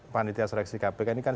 panitia seleksi kpk ini kan